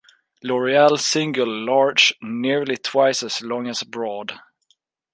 Loreal single, large, nearly twice as long as broad.